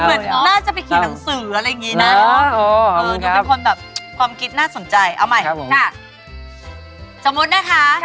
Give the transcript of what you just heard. ไม่ว่าจะไปคิดหนังสืออะไรอย่างนี้นะดูเป็นคนความคิดน่าสนใจเอาใหม่ค่ะสมมตินะคะ